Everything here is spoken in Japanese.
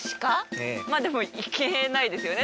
ええでもいけないですよね